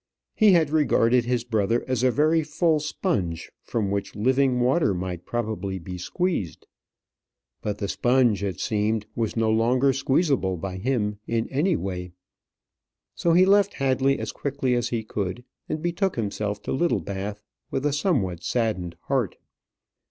He had regarded his brother as a very full sponge, from which living water might probably be squeezed. But the sponge, it seemed, was no longer squeezable by him in any way. So he left Hadley as quickly as he could, and betook himself to Littlebath with a somewhat saddened heart.